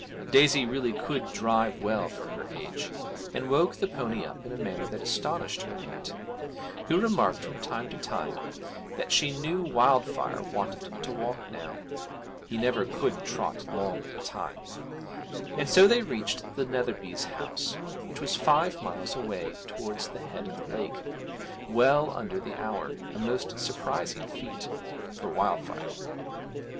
Daisy really could drive well for her age, and woke the pony up in a manner that astonished her aunt, who remarked from time to time that she knew Wildfire wanted to walk now he never could trot long at a time and so they reached the Netherbys' house, which was five miles away towards the head of the lake, well under the hour, a most surprising feat for Wildfire.